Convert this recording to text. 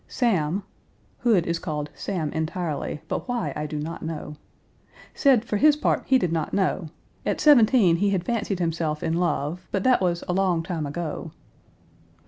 Sam (Hood is called Sam entirely, but why I do not know) said for his part he did not know; at seventeen he had fancied himself in love, but that was "a long time ago."